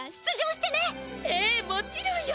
ええもちろんよ。